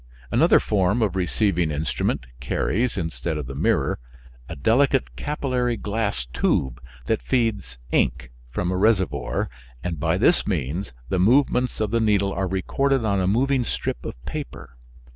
Another form of receiving instrument carries, instead of the mirror, a delicate capillary glass tube that feeds ink from a reservoir, and by this means the movements of the needle are recorded on a moving strip of paper.